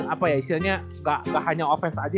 apa ya istilahnya nggak hanya offense aja